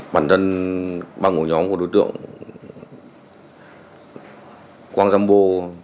bản thân bằng một nhóm của đối tượng quang rambo